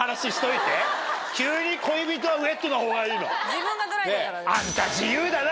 自分がドライだから。